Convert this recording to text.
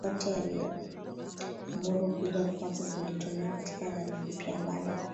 nao yote niliyomwamuru Kuja kwake kulitimia katika Agano Jipya ambalo